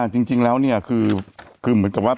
แต่หนูจะเอากับน้องเขามาแต่ว่า